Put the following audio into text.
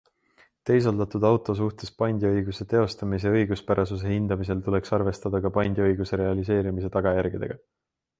Teisaldatud auto suhtes pandiõiguse teostamise õiguspärasuse hindamisel tuleks arvestada ka pandiõiguse realiseerimise tagajärgedega.